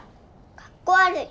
かっこ悪い。